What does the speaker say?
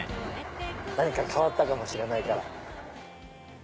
何か変わったかもしれないから。